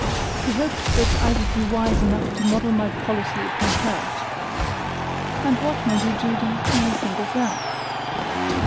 He hoped that I would be wise enough to model my policy upon hers! And what, my dear Judy, do you think of that?